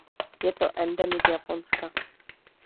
Je to endemit Japonska.